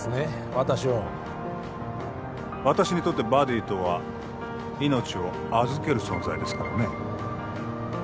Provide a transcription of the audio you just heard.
私を私にとってバディとは命を預ける存在ですからね